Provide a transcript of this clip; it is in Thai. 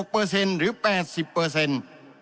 เปอร์เซ็นต์หรือ๘๐เปอร์เซ็นต์